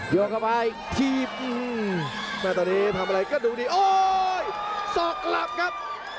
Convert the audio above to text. เข้าไปถีบแม่ตอนนี้ทำอะไรก็ดูดีโอ๊ยสอกหลับครับ